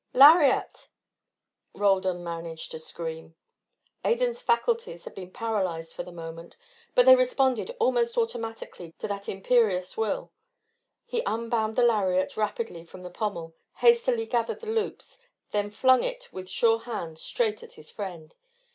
"Lariat!" Roldan managed to scream. Adan's faculties had been paralysed for the moment, but they responded almost automatically to that imperious will. He unwound the lariat rapidly from the pommel, hastily gathered the loops, then flung it with sure hand straight at his friend.